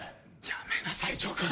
やめなさい城君！